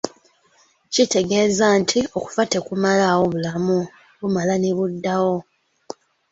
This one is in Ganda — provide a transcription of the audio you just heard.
"Kitegeeza nti okufa tekumalaawo bulamu, bumala ne buddawo."